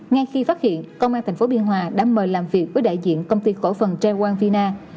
ngay khi phát hiện công an tp biên hòa đã mời làm việc với đại diện công ty cổ phần tra quan vina